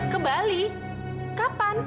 ke bali kapan